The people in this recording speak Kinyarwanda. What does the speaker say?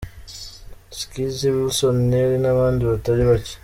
Skizzy, Wilson Nelly nabandi batari bake.